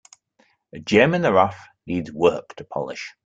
A gem in the rough needs work to polish.